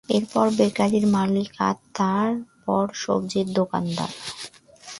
এরপর বেকারির মালিক আর তারপর সবজির দোকানদার।